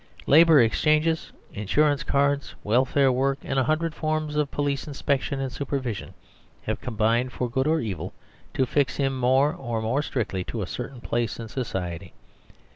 Labour Exchanges, Insurance Cards, Welfare Work, and a hundred forms of police inspection and supervision, have combined for good or evil to fix him more and more strictly to a certain place in society.